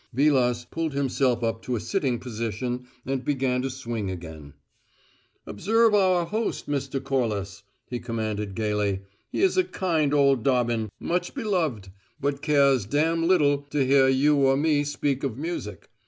Vilas pulled himself up to a sitting position and began to swing again. "Observe our host, Mr. Corliss," he commanded gayly. "He is a kind old Dobbin, much beloved, but cares damn little to hear you or me speak of music.